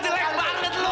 jangan jangan jangan